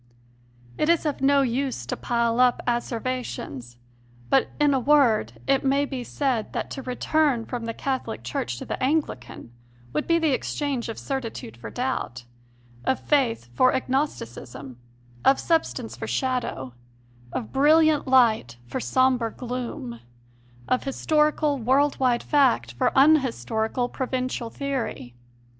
It is of no use to pile up asseverations, but, in a word, it may be said that to return from the Catholic Church to the Anglican would be the exchange of certitude for doubt, of faith for agnos ticism, of substance for shadow, of brilliant light for sombre gloom, of historical, world wide fact for unhistorical, provincial theory.